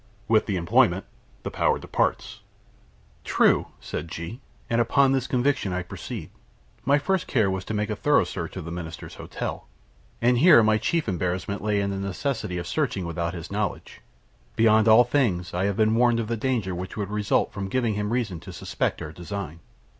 With the employment the power departs." "True," said G ; "and upon this conviction I proceeded. My first care was to make thorough search of the Minister's hotel; and here my chief embarrassment lay in the necessity of searching without his knowledge. Beyond all things, I have been warned of the danger which would result from giving him reason to suspect our design."